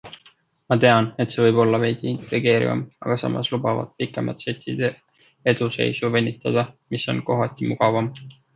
Ma tean, et see võib olla veidi intrigeerivam, aga samas lubavad pikemad setid eduseisu venitada, mis on kohati mugavam.